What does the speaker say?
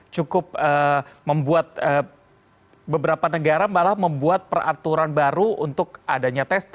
cukup membuat beberapa negara malah membuat peraturan baru untuk adanya testing